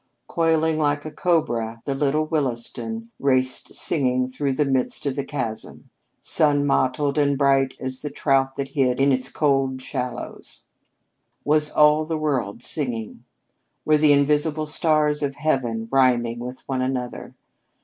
Coiling like a cobra, the Little Williston raced singing through the midst of the chasm, sun mottled and bright as the trout that hid in its cold shallows. Was all the world singing? Were the invisible stars of heaven rhyming with one another?